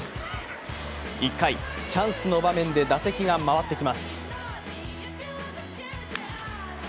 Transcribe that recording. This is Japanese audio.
１回、チャンスの場面で打席が回ってきます。